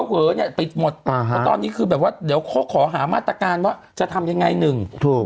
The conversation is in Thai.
เหยอะแต่ผมตอนนี้คือแบบว่าเดี๋ยวเด็กขอหามาตรการว่าจะทำยังไงหนึ่ง